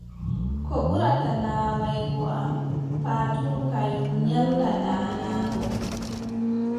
Ko ɓurata naawaago am, paatuuru kanyum nyalla ɗaanaago.